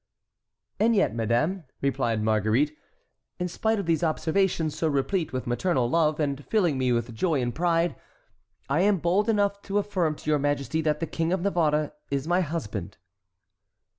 "And yet, madame," replied Marguerite, "in spite of these observations so replete with maternal love, and filling me with joy and pride, I am bold enough to affirm to your majesty that the King of Navarre is my husband."